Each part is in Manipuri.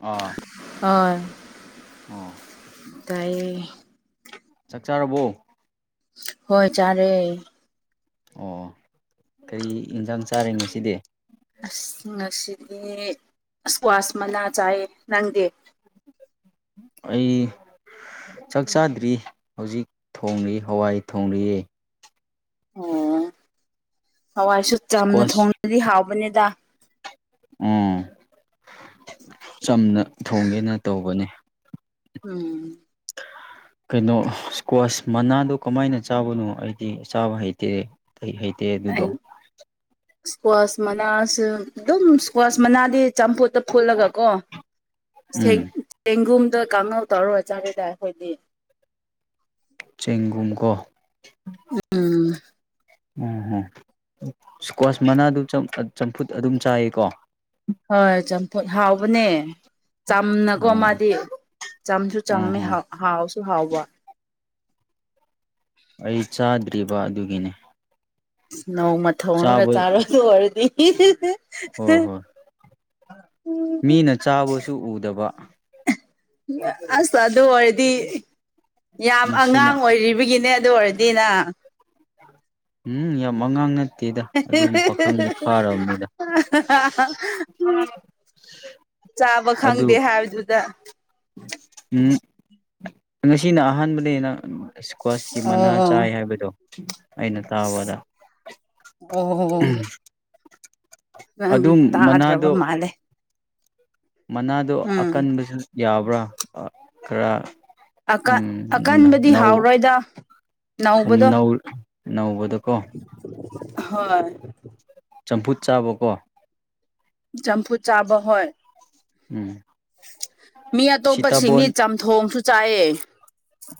ꯑꯥ ꯍ ꯑꯣ ꯇꯥꯏꯌꯦ ꯆꯥꯛ ꯆꯥꯔꯕꯣ ꯍꯣꯏ ꯆꯔꯦ ꯑꯣ ꯀꯔꯤ ꯌꯦꯟꯁꯥꯡ ꯆꯥꯔꯦ ꯉꯁꯤꯗꯤ ꯑꯁ ꯉꯁꯤꯗꯤ ꯏꯁꯀ꯭ꯋꯥꯁ ꯃꯅꯥ ꯆꯥꯏꯌꯦ ꯅꯪꯗꯤ ꯑꯩ ꯆꯥꯛ ꯆꯥꯗ꯭ꯔꯤ ꯍꯧꯖꯤꯛ ꯊꯣꯡꯂꯤ ꯍꯋꯥꯏ ꯊꯣꯡꯂꯤ ꯑꯣ ꯍꯋꯥꯏꯁꯨ ꯆꯥꯅ ꯏꯁꯀ꯭ꯋꯥꯁ ꯊꯣꯡꯅꯗꯤ ꯍꯥꯎꯕꯅꯤꯗ ꯎ ꯆꯝꯅ ꯊꯣꯡꯒꯦꯅ ꯇꯧꯕꯅꯤ ꯎꯝ ꯀꯩꯅꯣ ꯏꯁꯀ꯭ꯋꯥꯁ ꯃꯅꯥꯗꯣ ꯀꯃꯥꯏꯅ ꯆꯥꯕꯅꯣ ꯑꯩꯗꯤ ꯆꯥꯕ ꯍꯩꯇꯦ ꯀꯩ ꯍꯩꯇꯦ ꯑꯗꯨꯗꯣ ꯑꯩ ꯏꯁꯀ꯭ꯋꯥꯁ ꯃꯅꯥꯁꯨ ꯑꯗꯨꯝ ꯏꯁꯀ꯭ꯋꯥꯁ ꯃꯅꯥꯗꯤꯦ ꯆꯝꯐꯨꯠꯇ ꯐꯨꯠꯂꯒꯀꯣ ꯎꯝ ꯆꯦꯡꯒꯨꯝ ꯑ ꯀꯥꯡꯉꯧ ꯇꯧꯔꯨꯔ ꯆꯥꯒꯦꯗ ꯑꯩꯈꯣꯏꯗꯤ ꯆꯦꯡꯒꯨꯝꯒꯣ ꯎꯝ ꯎꯝ ꯏꯁꯀ꯭ꯋꯥꯁ ꯃꯅꯥꯗꯨ ꯆꯝꯐꯨꯠ ꯑꯗꯨꯝ ꯆꯥꯏꯌꯦꯀꯣ ꯍꯣꯏ ꯆꯝꯊꯨꯠ ꯍꯥꯎꯕꯅꯦ ꯆꯝꯅꯀꯣ ꯑꯣ ꯃꯥꯗꯤ ꯆꯝꯁꯨ ꯑꯥ ꯆꯝꯃꯦ ꯑꯥ ꯍꯥꯎꯁꯨ ꯍꯥꯎꯕ ꯑꯩ ꯆꯥꯗ꯭ꯔꯤꯕ ꯑꯗꯨꯒꯤꯅꯤ ꯅꯧ ꯃ ꯊꯣꯡ ꯑꯃꯒ ꯆꯥꯔꯗ ꯑꯣꯏꯔꯗꯤ ꯍꯣꯏ ꯍꯣꯏ ꯃꯤꯅ ꯆꯥꯕꯁꯨ ꯎꯗꯕ ꯑꯁ ꯑꯗꯨ ꯑꯗꯨ ꯍꯗꯤ ꯌꯥꯝ ꯉꯁꯤꯅ ꯑꯉꯥꯡ ꯑꯣꯏꯔꯤꯕꯒꯤꯅꯦ ꯑꯗꯨ ꯑꯣꯏꯔꯗꯤꯅ ꯎꯝ ꯌꯥꯝ ꯃꯉꯥꯡꯅ [unintelligible] ꯆꯥꯕ ꯈꯪꯗꯦ ꯑꯗꯨ ꯍꯥꯏꯕꯗꯨꯗ ꯎꯝ ꯁꯤꯅ ꯑꯍꯥꯟꯕꯅꯤꯅ ꯏꯁꯀ꯭ꯋꯥꯁꯀꯤ ꯃꯅꯥ ꯑꯣ ꯆꯥꯏ ꯍꯥꯏꯕꯗꯣ ꯑꯩꯅ ꯑꯁ ꯇꯥꯕꯗ [unintelligible] ꯑꯣ ꯅꯪ ꯑꯗꯨꯝ ꯇꯥꯗ꯭ꯔꯕ ꯃꯅꯥꯗꯣ ꯃꯥꯜꯂꯦ ꯃꯅꯥꯗꯣ ꯎꯝ ꯑꯀꯟꯕꯁꯨ ꯌꯥꯕ꯭ꯔꯥ ꯈꯔ ꯎꯝ ꯑꯀꯟ ꯑꯀꯟꯕꯗꯤ ꯍꯥꯎꯔꯣꯏꯗ ꯅꯧꯕꯗꯣ ꯅꯧ ꯎ ꯅꯧꯕꯗꯣꯀꯣ ꯍꯣꯏ ꯆꯝꯐꯨꯠ ꯆꯥꯕꯀꯣ ꯆꯝꯐꯨ ꯆꯥꯕ ꯍꯣꯏ ꯎꯝ ꯃꯤ ꯑꯇꯣꯞꯄꯁꯤꯡꯒꯤ ꯁꯤꯇꯥꯕꯣꯟ ꯆꯝꯊꯣꯡꯁꯨ ꯆꯥꯏꯑ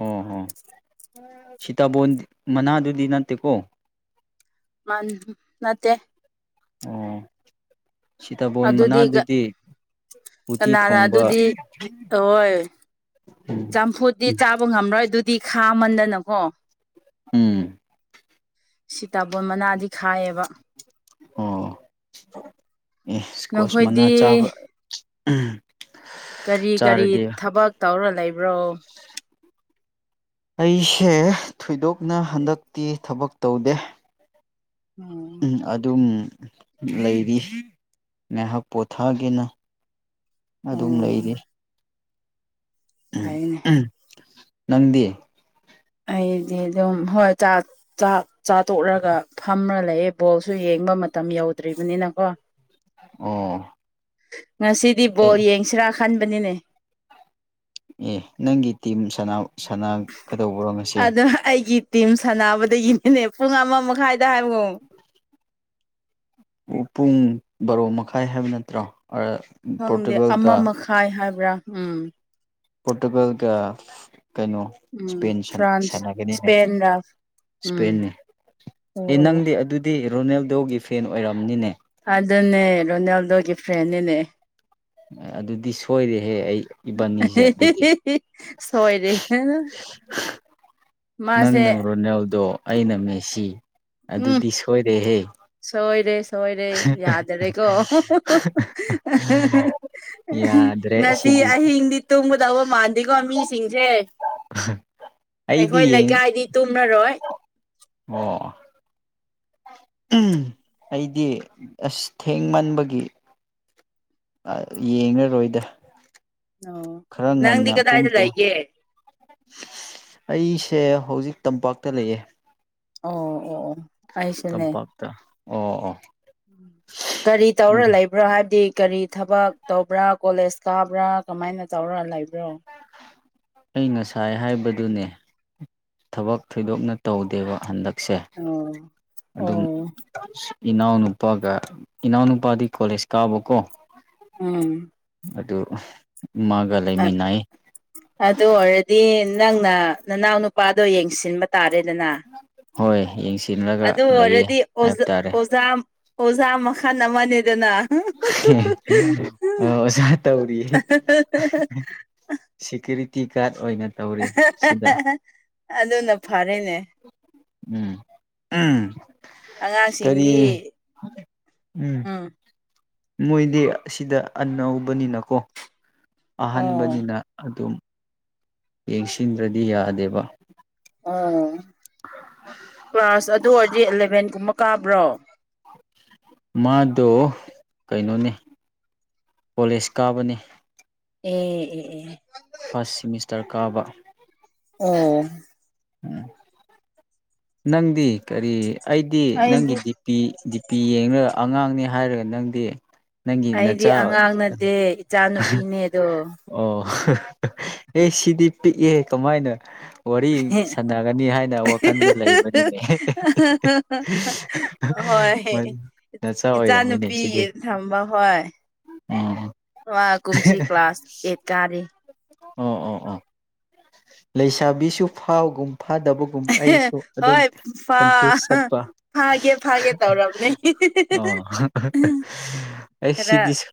ꯑꯣ ꯍꯣ ꯁꯤꯇꯕꯣꯟ ꯃꯅꯥꯗꯨꯗꯤ ꯅꯠꯇꯦꯀꯣ ꯃꯥꯥꯟ ꯅꯠꯇꯦ ꯑꯣ ꯁꯤꯇꯕꯣꯟ ꯃꯅꯥꯗꯨꯗꯤ ꯎꯇꯤ ꯀꯅꯥꯔ ꯊꯣꯡꯕ ꯑꯗꯨꯗꯤ ꯍꯣꯏ ꯎꯝ ꯆꯝꯐꯨꯗꯤ ꯆꯥꯕ ꯉꯝꯔꯣꯏ ꯑꯗꯨꯗꯤ ꯈꯥꯃꯟꯗꯅꯀꯣ ꯎꯝ ꯁꯤꯇꯥꯕꯣꯟ ꯃꯅꯥꯗꯤ ꯈꯥꯏꯌꯦꯕ ꯑꯣ ꯑꯦ ꯁꯀꯣꯁ ꯃꯅꯥ ꯅꯈꯣꯏꯗꯤ ꯆꯥꯕ ꯀꯔꯤ ꯀꯔꯤ ꯆꯥꯔꯗꯤ ꯊꯕꯛ ꯇꯧꯔ ꯂꯩꯕ꯭ꯔꯣ ꯑꯩꯁꯦ ꯊꯣꯏꯗꯣꯛꯅ ꯍꯟꯗꯛꯇꯤ ꯊꯕꯛ ꯇꯧꯗꯦ ꯎꯝ ꯑꯗꯨꯝ ꯂꯩꯔꯤ ꯉꯥꯏꯍꯥꯛ ꯄꯣꯊꯥꯒꯦꯅ ꯑꯗꯨꯝ ꯑꯣ ꯂꯩꯔꯤ ꯐꯩꯅꯦ ꯅꯪꯗꯤ ꯑꯩꯗꯤ ꯑꯗꯨꯝ ꯍꯣꯏ ꯆꯥ ꯇꯣꯛꯂꯒ ꯐꯝꯃ ꯂꯩꯌꯦ ꯕꯣꯜꯁꯨ ꯌꯦꯡꯉ ꯆꯤꯡꯕ ꯃꯇꯝ ꯌꯧꯗ꯭ꯔꯤꯕꯅꯤꯅꯀꯣ ꯑꯣ ꯉꯁꯤꯗꯤ ꯑꯦ ꯕꯣꯔ ꯌꯦꯡꯁꯤꯔꯥ ꯈꯟꯕꯅꯤꯅꯦ ꯑꯦ ꯅꯪꯒꯤ ꯇꯤꯝ ꯁꯅꯒꯗꯧꯕꯔꯣꯉꯁꯦ ꯑꯗꯣ ꯑꯩꯒꯤ ꯇꯤꯝ ꯁꯥꯟꯅꯕꯗꯒꯤꯅꯦꯅꯦ ꯄꯨꯡ ꯑꯃ ꯃꯈꯥꯏꯗ ꯍꯥꯏꯕꯉꯣ ꯄꯨꯡ ꯕꯥꯔꯣ ꯃꯈꯥꯏ ꯍꯥꯏꯕ ꯅꯠꯇ꯭ꯔꯣ ꯈꯪꯗꯦ ꯄꯣꯔꯇꯨꯒꯜꯒ ꯑꯃ ꯃꯈꯥꯏ ꯍꯥꯏꯕ꯭ꯔꯥ ꯎꯝ ꯄꯣꯔꯇꯨꯒꯜꯒ ꯀꯩꯅꯣ ꯎꯝ ꯏꯁꯄꯦꯟ ꯐ꯭ꯔꯥꯟꯁ ꯁꯥꯟꯅꯒꯅꯤꯅꯦ ꯁ꯭ꯄꯦꯟꯔ ꯏꯁꯄꯦ ꯎꯝ ꯅꯤ ꯑꯣ ꯑꯦ ꯑꯣ ꯅꯪꯗꯤ ꯑꯗꯨꯗꯤ ꯔꯣꯅꯦꯜꯗꯣꯒꯤ ꯐꯦꯟ ꯑꯣꯏꯔꯝꯅꯤꯅꯦ ꯑꯗꯨꯅꯦ ꯔꯣꯅꯥꯜꯗꯣꯒꯤ ꯐꯦꯟꯅꯤꯅꯦ ꯎ [inaudible] ꯑꯗꯨꯗꯤ ꯁꯣꯏꯔꯦꯍꯦ ꯑꯩ ꯏꯕꯥꯅꯤꯁꯦ ꯑꯗꯨꯗꯤ ꯁꯣꯏꯔꯦ ꯅꯪꯅ ꯃꯥꯁꯦ ꯔꯣꯅꯦꯜꯗꯣ ꯑꯩꯅ ꯃꯦꯁꯤ ꯎꯝ ꯑꯗꯨꯗꯤ ꯁꯣꯏꯔꯦꯍꯦ ꯁꯣꯏꯔꯦ ꯁꯣꯏꯔꯦ ꯌꯥꯗꯔꯦꯀꯣ ꯌꯥꯗ꯭ꯔꯦ ꯉꯁꯤ ꯁꯤꯗꯤ ꯑꯍꯤꯡꯗꯤ ꯇꯨꯝꯒꯗꯧꯕ ꯃꯥꯟꯗꯦꯀꯣ ꯃꯤꯁꯤꯡꯁꯦ ꯎ [unintelligible] ꯑꯩꯈꯣꯏ ꯂꯩꯀꯥꯏꯗꯤ ꯇꯨꯝꯅꯔꯣꯏ ꯑꯣ ꯑꯩꯗꯤ ꯑꯁ ꯊꯦꯡꯃꯟꯕꯒꯤ ꯌꯦꯡꯂꯡꯉꯔꯣꯏꯗ ꯑꯣ ꯈꯔ ꯉꯟꯅ ꯅꯪꯗꯤ ꯀꯗꯥꯏꯗ ꯄꯨꯡꯇ ꯂꯩꯒꯦ ꯑꯩꯁꯦ ꯍꯧꯖꯤꯛ ꯇꯝꯄꯥꯛꯇ ꯂꯩꯌꯦ ꯑꯣ ꯑꯣ ꯑꯣ ꯇꯝꯄꯥꯛꯇ ꯑꯣ ꯑꯣ ꯎ ꯀꯔꯤ ꯇꯧꯔ ꯑꯗ ꯂꯩꯕ꯭ꯔꯥ ꯍꯥꯏꯕꯗꯤ ꯀꯔꯤ ꯊꯕꯛ ꯇꯧꯕ꯭ꯔꯥ ꯀꯣꯂꯦꯖ ꯀꯥꯕ꯭ꯔꯥ ꯀꯃꯥꯏꯅ ꯇꯧꯔꯥ ꯂꯩꯕ꯭ꯔꯣ ꯑꯩ ꯉꯁꯥꯏ ꯍꯥꯏꯕꯗꯨꯅꯦ ꯊꯕꯛ ꯊꯣꯏꯗꯣꯛꯅ ꯇꯧꯗꯦꯕ ꯍꯟꯗꯛ ꯁꯦ ꯑꯣ ꯑꯣ ꯑꯗꯨꯝ ꯏꯅꯥꯎ ꯅꯨꯄꯥꯒ ꯏꯅꯥꯎꯅꯨꯄꯥꯗꯤ ꯀꯣꯂꯦꯖ ꯀꯥꯕꯀꯣ ꯎꯝ ꯑꯣ ꯑ ꯑꯗꯨ ꯋꯥꯔꯗꯤ ꯅꯪꯅ ꯅꯅꯥꯎ ꯅꯨꯄꯥꯗꯣ ꯌꯦꯡꯁꯤꯟꯕ ꯇꯥꯔꯦꯗꯅ ꯍꯣꯏ ꯌꯦꯡꯁꯤ ꯑꯗꯨ ꯑꯣꯏꯔꯗꯤ ꯑꯣꯖꯥ ꯑꯣꯖꯥ ꯃꯈꯜ ꯑꯃꯅꯦꯗꯅ ꯑ ꯁꯥ ꯇꯧꯔꯤꯌꯦ ꯁꯤꯀꯤꯔꯤ ꯑꯗꯨꯅ ꯐꯔꯦꯅꯦ ꯎꯝ ꯎꯝ ꯀꯔꯤ ꯑꯉꯥꯡꯁꯤꯡꯗꯤ ꯎꯝ ꯃꯣꯏꯗꯤ ꯑꯁꯤꯗ ꯑꯅꯧꯕꯅꯤꯅꯀꯣ ꯑꯣ ꯑꯍꯥꯟꯕꯅꯤꯅ ꯑꯗꯨꯝ ꯌꯦꯡꯁꯤꯟꯗ꯭ꯔꯗꯤ ꯌꯥꯗꯦꯕ ꯑꯣ ꯀ꯭ꯂꯥꯁ ꯑꯗꯨ ꯑꯣꯏꯔꯗꯤ ꯑꯦꯂꯦꯚꯦꯟꯒꯨꯝꯕ ꯀꯥꯕ꯭ꯔꯣ ꯃꯥꯗꯣ ꯀꯩꯅꯣꯅꯦ ꯀꯣꯂꯦꯖ ꯀꯥꯕꯅꯤ ꯑ‌ꯦ ꯑꯦ ꯑ‌ꯦ ꯐꯥꯔꯁ ꯁꯤꯃꯤꯁꯇꯔ ꯀꯥꯕ ꯑꯣ ꯎꯝ ꯅꯪꯗꯤ ꯀꯔꯤ ꯑꯩꯗꯤ ꯅꯪꯒꯤ ꯗꯤ ꯄꯤ ꯗꯤꯄꯤ ꯌꯦꯡꯅ ꯑꯉꯥꯡꯅꯤ ꯍꯥꯏꯔꯒ ꯅꯪꯗꯤ ꯅꯪꯒꯤ ꯑꯩꯗꯤ ꯅꯆꯥ ꯑꯉꯥꯡ ꯅꯠꯇꯦ ꯏꯆꯥ ꯅꯨꯨꯄꯤꯅꯦꯗꯣ ꯑꯣ ꯑꯦ ꯁꯤꯗꯤ ꯄꯤꯛꯑꯦ ꯀꯃꯥꯏꯅ ꯋꯥꯔꯤ ꯁꯥꯟꯅꯒꯅꯤ ꯍꯥꯏꯅ ꯋꯥꯈꯜꯗ ꯂꯩꯕꯅꯤꯅꯦ ꯅꯆꯥ ꯏꯆꯥ ꯑꯣꯏꯔꯝꯃꯤꯅꯦ ꯅꯨꯨꯄꯤ ꯁꯤꯗꯤ ꯊꯝꯕ ꯍꯣꯏ ꯎꯝ ꯀꯨꯝꯁꯤ ꯀ꯭ꯂꯥꯁ ꯑꯦꯠ ꯀꯥꯔꯤ ꯑꯣ ꯑꯣ ꯑꯣ ꯂꯩꯁꯥꯕꯤꯁꯨ ꯐꯥꯎꯒꯨꯝ ꯐꯥꯗꯕꯒꯨꯝ ꯑꯩꯁꯨ ꯑꯗꯨꯝ ꯍꯣꯏ ꯐꯥ ꯀꯟꯐ꯭ꯌꯨꯁ ꯆꯠꯄ ꯐꯥꯒꯦ ꯐꯥꯒꯦ ꯇꯧꯔꯕꯅꯦ ꯑꯣ ꯑꯩ ꯈꯔ ꯁꯤꯗꯤꯁ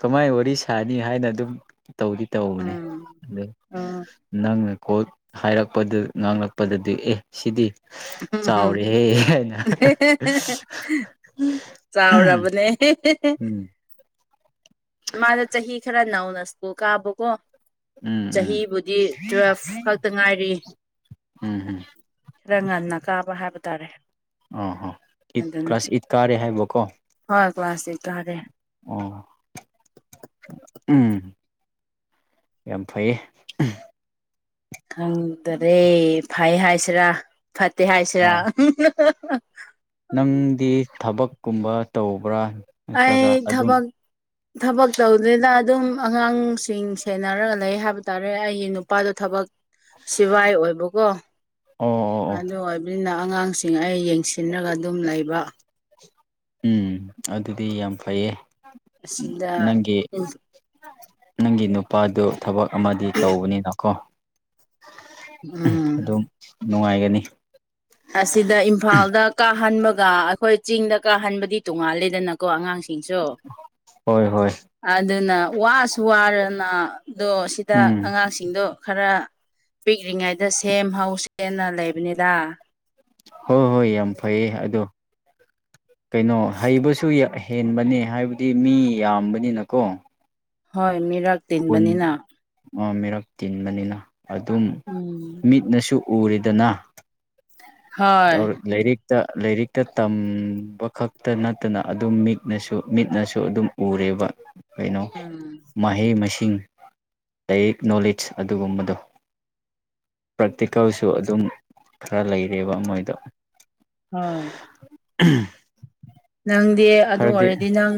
ꯀꯃꯥꯏꯅ ꯋꯥꯔꯤ ꯁꯥꯅꯤ ꯍꯥꯏꯅ ꯑꯗꯨꯝ ꯇꯧꯗꯤ ꯇꯧꯕꯅꯦ ꯎꯝ ꯑꯗꯣ ꯎꯝ ꯅꯪꯅ ꯀꯣꯜ ꯍꯥꯏꯔꯛꯄꯗ ꯉꯥꯡꯂꯛꯄꯗꯗꯤ ꯑꯦ ꯁꯤꯗꯤ ꯆꯥꯎꯔꯍꯦ ꯍꯥꯏꯅ ꯆꯥꯎꯔꯕꯅꯦ ꯎꯝ ꯃꯥꯅ ꯆꯍꯤ ꯈꯔ ꯅꯧꯅ ꯁ꯭ꯀꯨꯜ ꯀꯥꯕꯀꯣ ꯎꯝ ꯎꯝ ꯆꯍꯤꯕꯨꯗꯤ ꯇꯨꯋꯦꯜꯐ ꯈꯛꯇ ꯉꯥꯏꯔꯤ ꯎꯝ ꯎꯝ ꯈꫪ ꯉꯟꯅ ꯀꯥꯕ ꯍꯥꯏꯕ ꯇꯥꯔꯦ ꯑꫭ ꯍꫭ ꯏꯠ ꯑꯗꯨꯅ ꯀ꯭ꯂꯥꯁ ꯏꯠ ꯀꯥꯔꯤ ꯍꯥꯏꯕꫭꯀꯣ ꯍꯣꯏ ꯀ꯭ꯂꯥꯁ ꯀꯥꫪꯤ ꯎꯝ ꯌꯥꯝ ꯐꯩꯌꯦ ꯈꯪꯗꯔꯦ ꯐꯩ ꯍꯥꯏꯁꯤꯔꯥ ꯐꯠꯇꯦ ꯍꯥꯏꯁꯤꯔꯥ ꯑꯣ ꯍ ꯍ ꯅꯪꯗꯤ ꯊꯕꯛꯀꯨꯝꯕ ꯇꯧꯕ꯭ꯔꯥ ꯑꯩ ꯅꯠꯇ꯭ꯔꯒ ꯑꯗꯨꯝ ꯊꯕꯛ ꯊꯕꯛ ꯇꯧꯗꯔꯤꯗ ꯑꯗꯨꯝ ꯑꯉꯥꯡꯁꯤꯡ ꯁꯦꯟꯅꯔꯒ ꯂꯩ ꯍꯥꯏꯕ ꯇꯥꯔꯦ ꯑꯩꯒꯤ ꯅꯨꯄꯥꯗꯣ ꯊꯕꯛ ꯁꯤꯕꯥꯏ ꯑꯣꯏꯕꯀꯣ ꯑꯣ ꯑꯣ ꯑꯣ ꯑꯗꯨ ꯑꯣꯏꯕꯅꯤꯅ ꯑꯉꯥꯡꯁꯤꯡ ꯑꯩ ꯌꯦꯡꯁꯤꯟꯅꯒ ꯑꯗꯨꯝ ꯂꯩꯕ ꯎꯝ ꯑꯗꯨꯗꯤ ꯌꯥꯝ ꯐꯩꯌꯦ ꯑꯁꯤꯗ ꯅꯪꯒꯤ ꯅꯪꯒꯤ ꯅꯨꯄꯥꯗꯨ ꯊꯕꯛ ꯑꯃꯗꯤ ꯇꯧꯕꯅꯤꯅꯀꯣ ꯎꯝ ꯑꯗꯨꯝ ꯅꯨꯡꯉꯥꯏꯒꯅꯤ ꯑꯁꯤꯗ ꯏꯝꯐꯥꯜꯗ ꯀꯥꯍꯟꯕꯒ ꯑꯩꯈꯣꯏ ꯆꯤꯡꯗ ꯀꯥꯍꯟꯕꯗꯤ ꯇꯣꯡꯉꯥꯜꯂꯦꯗꯅꯀꯣ ꯑꯉꯥꯡꯁꯤꯡꯁꯨ ꯍꯣꯏ ꯍꯣꯏ ꯑꯗꯨꯅ ꯋꯥꯁꯨ ꯋꯥꯔꯅ ꯑꯗꫭꯁꯤꯗ ꯎꯝ ꯑꯉꯥꯡꯁꯤꯡꯗꯣ ꯈꯔ ꯄꯤꯛꯂꯤꯉꯩꯗ ꯁꯦꯝ ꯍꯧꯁꯦꯅ ꯂꯩꯕꯅꯤꯗ ꯍꯣꯏ ꯍꯣꯏ ꯌꯥꯝ ꯐꯩ ꯑꯗꯣ ꯀꯩꯅꯣ ꯍꯩꯕꯁꯨ ꯌꯥꯏ ꯍꯦꯟꯕꯅꯦ ꯍꯥꯏꯕꯗꯤ ꯃꯤ ꯌꯥꯝꯕꯅꯤꯅꯀꯣ ꯍꯣꯏ ꯃꯤꯔꯛ ꯈꯨꯟ ꯇꯤꯟꯕꯅꯤꯅ ꯃꯤꯔꯛ ꯇꯤꯟꯕꯅꯤꯅ ꯑꯗꯨꯝ ꯎꯝ ꯃꯤꯠꯅꯁꯨ ꯎꯔꯤꯗꯅ ꯍꯣꯏ ꯇꯧꯔꯛ ꯂꯥꯏꯔꯤꯛꯇ ꯂꯥꯏꯔꯤꯛ ꯇ ꯇꯝꯕ ꯈꯛꯇ ꯅꯠꯇꯅ ꯑꯗꯨꯝ ꯃꯤꯠꯅꯁꯨ ꯃꯤꯠꯅꯁꯨ ꯑꯗꯨꯝ ꯎꯔꯦꯕ ꯀꯩꯅꯣ ꯎꯝ ꯃꯍꯩ ꯃꯁꯤꯡ ꯁꯤꯡ ꯂꯥꯏꯔꯤꯛ ꯅꯣꯂꯦꯖ ꯑꯗꯨꯒꯨꯝꯕꯗꯣ ꯄꯇꯤꯀꯜꯁꯨ ꯑꯗꯨꯝ ꯈꯔ ꯂꯩꯔꯦꯕ ꯃꯣꯏꯗ ꯎꯝ ꯎ ꯅꯪꯗꯤ ꯑꯗꯨ ꯑꯣꯏꯔꯗꯤ ꯅꯪ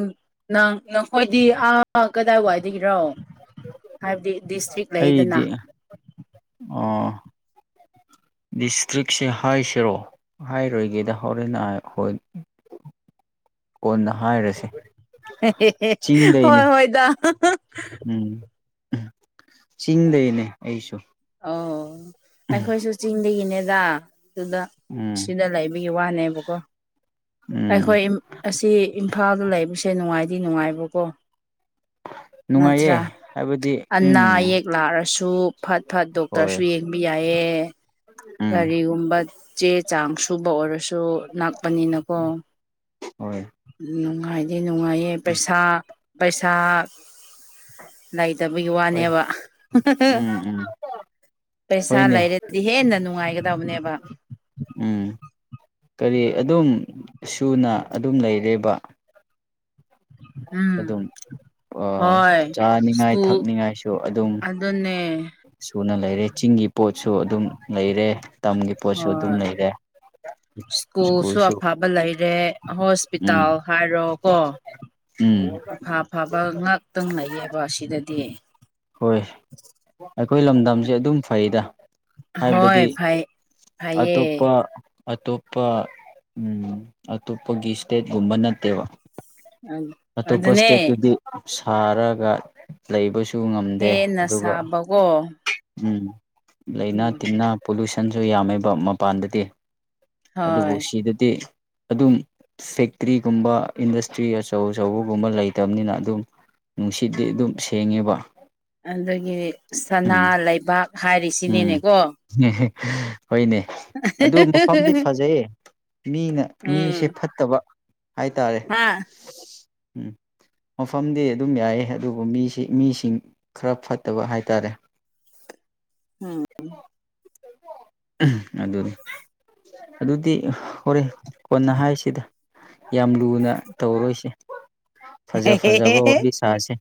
ꯅꯪ ꯅꯈꯣꯏꯗꯤ ꯑꯥ ꯀꯗꯥꯏ ꯋꯥꯏꯗꯒꯤꯔꯣ ꯍꯥꯏꯕꯗꯤ ꯗꯤꯁꯇ꯭ꯔꯤꯛ ꯂꯩꯗꯅ ꯑꯩꯗꯤ ꯗꯤꯁꯇ꯭ꯔꯤꯛꯁꯦ ꯍꯥꯏꯁꯤꯔꯣ ꯍꯥꯏꯔꯣꯏꯒꯦꯗ ꯍꯣꯔꯦꯟ ꯅ ꯍ ꯀꯣꯟꯅ ꯍꯥꯏꯔꯁꯤꯦ ꯍꯣꯏ ꯍꯣꯏꯗ ꯎꯝ ꯆꯤꯡꯗꯅꯦ ꯑꯩꯁꯨ ꯑꯣ ꯑꯩꯈꯣꯏꯁꯨ ꯆꯤꯡꯗꯒꯤꯅꯦꯗ ꯑꯗꯨꯗ ꯎꯝ ꯁꯤꯗ ꯂꯩꯕꯒꯤ ꯋꯥꯅꯦꯕꯀꯣ ꯎꯝ ꯑꯩꯈꯣꯏ ꯑꯁꯤ ꯏꯝꯐꯥꯜꯗ ꯂꯩꯕꯁꯦ ꯅꯨꯡꯉꯥꯏꯗꯤ ꯅꯨꯡꯉꯥꯏꯕꯀꯣ ꯅꯨꯡꯉꯥꯏꯌꯦ ꯅꯠꯇ꯭ꯔꯥ ꯍꯥꯏ ꯑꯅꯥ ꯑꯌꯦꯛ ꯂꯥꯛꯔꯁꯨ ꯐꯠ ꯐꯠ ꯍꯣꯏ ꯗꯣꯛꯇꯔꯁꯨ ꯌꯦꯡꯕ ꯌꯥꯏꯌꯦ ꯎꯝ ꯀꯔꯤꯒꯨꯝꯕ ꯆꯦ ꯆꯥꯡ ꯁꯨꯕ ꯑꯣꯏꯔꯁꯨ ꯁꯨ ꯅꯛꯄꯅꯤꯅꯀꯣ ꯍꯣꯏ ꯅꯨꯡꯉꯥꯏꯗꯦ ꯅꯨꯡꯉꯥꯏꯌꯦ ꯄꯩꯁꯥ ꯄꯩꯁꯥ ꯂꯥꯏ ꯐꯠꯇꯕꯒꯤ ꯍꯣꯏ ꯋꯥꯅꯦꯕ ꯎꯝ ꯎꯝ ꯄꯩꯁꯥ ꯍꯣꯏꯅꯦ ꯂꯩꯔꯗꯤ ꯍꯦꯟꯅ ꯅꯨꯡꯉꯥꯏꯒꯗꯕꯅꯦꯕ ꯎꯝ ꯀꯔꯤ ꯑꯗꯨꯝ ꯁꯨꯅ ꯑꯗꯨꯝ ꯂꯩꯔꯦꯕ ꯎꯝ ꯑꯗꯨꯝ ꯍꯣꯏ ꯆꯥꯅꯤꯡꯉꯥꯏ ꯁ꯭ꯀꯨꯜ ꯊꯛꯅꯤꯡꯉꯥꯏꯁꯨ ꯑꯗꯨꯝ ꯑꯗꯨꯅꯦ ꯁꯨꯅ ꯂꯩꯔꯦ ꯆꯤꯡꯒꯤ ꯄꯣꯠꯁꯨ ꯑꯗꯨꯝ ꯂꯩꯔꯦ ꯇꯝꯒꯤ ꯄꯣꯠꯁꯨ ꯑꯗꯨꯝ ꯍꯣꯏ ꯂꯩꯔꯦ ꯁ꯭ꯀꯨꯜꯁꯨ ꯑꯐꯕ ꯂꯩꯔꯦ ꯎꯝ ꯍꯣꯁꯄꯤꯇꯥꯜ ꯍꯥꯏꯔꯣ ꯀꯣ ꯎꯝ ꯑꯐ ꯑꯐꯕ ꯉꯥꯛꯇꯪ ꯂꯩꯌꯦꯕ ꯑꯁꯤꯗꯗꯤ ꯍꯣꯏ ꯑꯩꯈꯣꯏ ꯂꯝꯗꯝꯁꯦ ꯑꯗꯨꯝ ꯐꯩꯗ ꯍꯣꯏ ꯍꯥꯏꯕꯗꯤ ꯐꯩ ꯐꯩꯌꯦ ꯑꯇꯣꯞꯄ ꯑꯇꯣꯞꯄ ꯑꯇꯣꯞꯄꯒꯤ ꯏꯁꯇꯦꯠꯀꯨꯝꯕ ꯅꯠꯇꯦꯕ ꯑꯇꯣꯞꯄ ꯑꯗꯨꯅꯦ ꯏꯁꯇꯦꯠꯇꯨꯗꯤ ꯁꯥꯔꯒ ꯂꯩꯕꯁꯨ ꯇꯨ ꯉꯝꯗꯦ ꯍꯦꯟꯅ ꯑꯗꯨꯒ ꯁꯥꯕꯀꯣ ꯎꯝ ꯂꯩꯅ ꯎꯝ ꯇꯤꯟꯅ ꯄꯣꯂꯨꯁꯟꯁꯨ ꯌꯥꯝꯃꯦꯕ ꯃꯄꯥꯟꯗꯗꯤ ꯑꯗꯨꯕꯨ ꯍꯣꯏ ꯁꯤꯗꯗꯤ ꯑꯗꯨꯝ ꯐꯦꯛꯇ꯭ꯔꯤꯒꯨꯝꯕ ꯏꯟꯗꯁꯇ꯭ꯔꯤ ꯑꯆꯧ ꯑꯆꯧꯕꯒꯨꯝꯕ ꯂꯩꯇꯕꯅꯤꯅ ꯑꯗꯨꯝ ꯅꯨꯡꯁꯤꯗꯤ ꯑꯗꯨꯝ ꯁꯦꯡꯉꯦꯕ ꯑꯗꯨꯗꯒꯤ ꯁꯅꯥ ꯎꯝ ꯂꯩꯕꯥꯛ ꯍꯥꯏꯔꯤꯁꯤꯅꯦꯅꯦꯀꯣ ꯎꯝ ꯍꯣꯏꯅꯦ ꯑꯗꯨ ꯃꯐꯝꯗꯤ ꯐꯖꯩꯌꯦ ꯃꯤꯅ ꯃꯤꯁꯦ ꯐꯠꯇꯕ ꯍꯥꯏꯇꯥꯔꯦ ꯎꯝ ꯃꯐꯝꯗꯤ ꯑꯗꯨꯝ ꯌꯥꯏ ꯑꯗꯨꯕꯨ ꯃꯤꯁꯤ ꯃꯤꯁꯤꯡ ꯈꯔ ꯐꯠꯇꯕ ꯍꯥꯏꯇꯥꯔꯦ [unintelligible] ꯎꯝ ꯑꯗꯨꯅꯤ ꯑꯗꯨꯗꯤ ꯍꯣꯔꯦꯟ ꯀꯣꯟꯅ ꯍꯥꯏꯁꯤꯗ ꯌꯥꯝ ꯂꯨꯅ ꯇꯧꯔꯣꯏꯁꯦ ꯐꯖ ꯐꯖꯕ ꯋꯥꯔꯤ ꯁꯥꯥꯁꯦ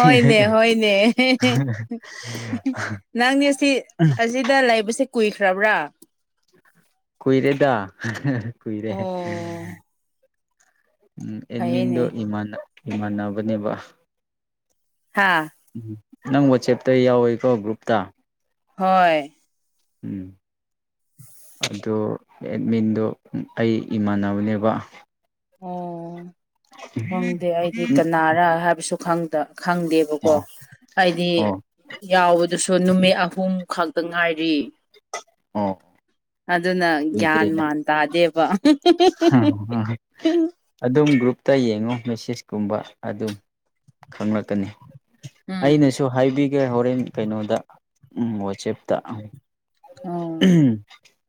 ꯍꯣꯏꯅꯦ ꯍꯣꯏꯅꯦ ꯅꯪꯅꯦ ꯁꯤ ꯑꯁꯤꯗ ꯂꯩꯕꯁꯦ ꯀꯨꯏꯈ꯭ꯔꯕ꯭ꯔꯥ ꯀꯨꯏꯔꯦꯗ ꯀꯨꯏꯔꯦ ꯑꯣ ꯎꯝ ꯑꯦꯠꯃꯤꯟꯗꯣ ꯐꯩꯌꯦꯅꯦ ꯏꯃꯥꯟꯅꯕꯅꯦꯕ ꯍꯥꯥ ꯎꯝ ꯅꯪ ꯋꯥꯆꯦꯞꯇ ꯌꯥꯎꯋꯦꯀꯣ ꯒ꯭ꯔꯨꯞꯇ ꯍꯣꯏ ꯎꯝ ꯑꯗꯨ ꯑꯦꯠꯃꯤꯟꯗꯣ ꯑꯩ ꯏꯃꯥꯟꯅꯕꯅꯦꯕ ꯑꯣ ꯈꯪꯗꯦ ꯑꯩꯗꯤ ꯀꯅꯥꯔꯥ ꯍꯥꯏꯕꯁꯨ ꯈꯪꯗꯦꯕꯀꯣ ꯑꯣ ꯍꯥꯏꯗꯤ ꯑꯣ ꯌꯥꯎꯕ ꯑꯗꯨꯁꯨ ꯅꯨꯃꯤꯠ ꯑꯍꯨꯝ ꯈꯛꯇ ꯉꯥꯏꯔꯤ ꯑꯣ ꯑꯗꯨꯅ ꯒ꯭ꯌꯥꯟ ꯎꯏꯗ꯭ꯔꯦꯅ ꯃꯥꯟ ꯇꯥꯗꯦꯕ ꯑꯗꯨꯝ ꯒ꯭ꯔꯨꯞꯇ ꯌꯦꯡꯉꯣ ꯃꯦꯁꯦꯖꯀꯨꯝꯕ ꯑꯗꯨꯝ ꯈꯪꯂꯛꯀꯅꯤ ꯎꯝ ꯑꯩꯅꯁꯨ ꯍꯥꯏꯕꯤꯒꯦ ꯍꯣꯔꯦꯟ ꯀꯩꯅꯣꯗ ꯋꯥꯆꯦꯞꯇ ꯑꯣ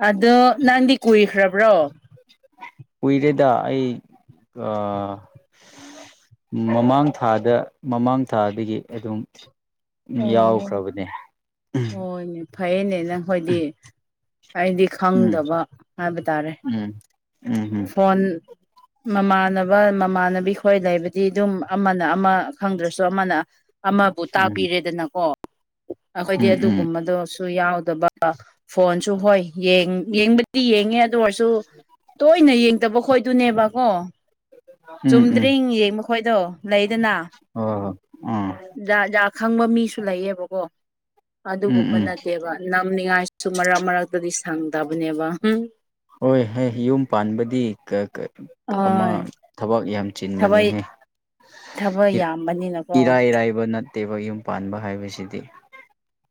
ꯑꯗꯣ ꯅꯪꯗꯤ ꯀꯨꯏꯈ꯭ꯔꯕ꯭ꯔꯣ ꯀꯨꯏꯔꯦꯗ ꯑꯩ ꯑꯥ ꯃꯃꯥꯡ ꯊꯥꯗ ꯃꯃꯥꯡ ꯊꯥꯗꯒꯤ ꯑꯗꯨꯝ ꯑꯣ ꯌꯥꯎꯈ꯭ꯔꯕꯅꯦ ꯎꯃ ꯍꯣꯏꯅꯦ ꯐꯩꯌꯦꯅꯦ ꯅꯪꯈꯣꯏꯗꯤ ꯑꯩꯗꯤ ꯎꯝ ꯈꯪꯗꯕ ꯍꯥꯏꯕ ꯇꯥꯔꯦ ꯎꯝ ꯎꯝ ꯐꯣꯟ ꯃꯃꯥꯟꯅꯕ ꯃꯃꯥꯟꯅꯕꯤ ꯈꯣꯏ ꯂꯩꯕꯗꯤ ꯑꯗꯨꯝ ꯑꯃꯅ ꯑꯃ ꯈꯪꯗ꯭ꯔꯁꯨ ꯑꯃꯅ ꯑꯃꯕꯨ ꯎꯝ ꯇꯥꯛꯄꯤꯔꯦꯗꯅꯀꯣ ꯑꯩꯈꯣꯏꯗꯤ ꯎꯝ ꯑꯗꯨꯒꯨꯝꯕꯗꯣꯁꯨ ꯌꯥꯎ ꯗꯕ ꯐꯣꯟꯁꯨ ꯍꯣꯏ ꯌꯦꯡꯕꯗꯤ ꯌꯦꯡꯉꯦ ꯑꯗꯨ ꯑꯣꯏꯔꯁꯨ ꯇꯣꯏꯅ ꯌꯦꯡꯗꯕ ꯈꯣꯏꯗꯨꯅꯦꯕꯀꯣ ꯎꯝ ꯆꯨꯝꯗ꯭ꯔꯤꯡ ꯌꯦꯡ ꯃꯈꯣꯏꯗꯣ ꯂꯩꯗꯅ ꯎꯝ ꯎꯝ ꯍꯣꯏ ꯍꯣꯏ ꯑꯥ ꯖꯥ ꯖꯥ ꯈꯪꯕ ꯃꯤꯁꯨ ꯂꯩꯌꯦꯕ ꯀꯣ ꯎꯝ ꯑꯗꯨꯒꯨꯝꯕ ꯎꯝ ꯅꯠꯇꯦꯕ ꯅꯝꯅꯤꯡꯉꯥꯏꯁꯨ ꯃꯔꯛ ꯃꯔꯛꯇꯗꯤ ꯊꯪꯗꯕꯅꯦꯕ ꯍꯝ ꯍꯣꯏ ꯍꯣꯏ ꯌꯨꯝ ꯄꯥꯟꯕꯗꯤ ꯑꯃ ꯍꯣꯏ ꯊꯕꯛ ꯌꯥꯝ ꯊꯕꯛ ꯆꯤꯟꯕꯅꯤꯍꯦ ꯊꯕꯛ ꯌꯥꯝꯕꯅꯤꯅꯀꯣ ꯏꯔꯥꯏꯔꯥꯏꯕꯅꯠ ꯅꯠꯇꯦꯕ ꯌꯨꯝ ꯄꯥꯟꯕ ꯍꯥꯏꯕꯁꯤꯗꯤ